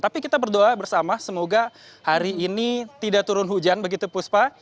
tapi kita berdoa bersama semoga hari ini tidak turun hujan begitu puspa